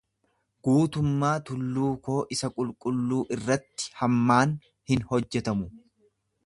Guutummaa tulluu koo isa qulqulluu irratti hammaan hin hojjetamu.